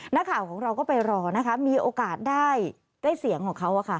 นักข่าวของเราก็ไปรอนะคะมีโอกาสได้เสียงของเขา